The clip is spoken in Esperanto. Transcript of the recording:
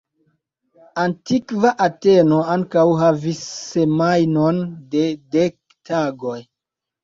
Antikva Ateno ankaŭ havis semajnon de dek tagoj.